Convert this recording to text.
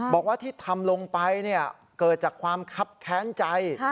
บอกว่าที่ทำลงไปเกิดจากความคับแค้นใจ